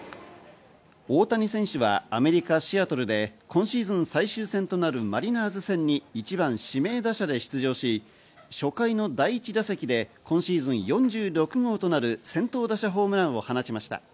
大谷選手はアメリカ・シアトルで今シーズン最終戦となるマリナーズ戦に１番指名打者で出場し、初回の第１打席で今シーズン４６号となる先頭打者ホームランを放ちました。